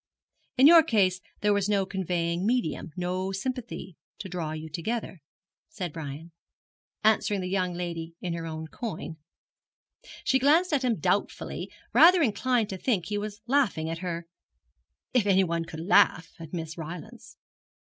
In your case there was no conveying medium, no sympathy to draw you together,' said Brian, answering the young lady in her own coin. She glanced at him doubtfully, rather inclined to think he was laughing at her, if any one could laugh at Miss Rylance.